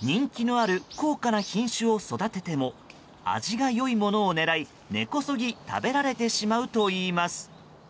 人気のある高価な品種を育てても味が良いものを狙い、根こそぎ食べられてしまうといいます。